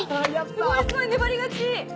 すごいすごい粘り勝ち！